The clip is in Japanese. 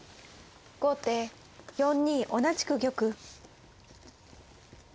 後手４二同じく玉。